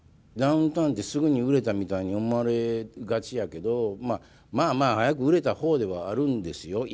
ダウンタウンってすぐに売れたみたいに思われがちやけどまあまあ早く売れた方ではあるんですよ。